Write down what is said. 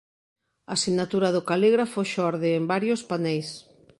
A sinatura do calígrafo xorde en varios paneis.